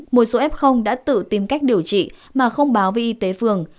một số f đã tự tìm cách điều trị mà không báo về y tế phường